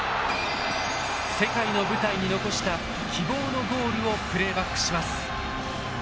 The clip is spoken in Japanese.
世界の舞台に残した希望のゴールをプレーバックします。